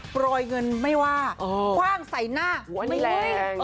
ปล่อยเงินไม่ว่าคว่างใส่หน้าไม่เห้ย